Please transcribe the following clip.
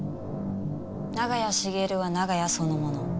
長屋茂は長屋そのもの。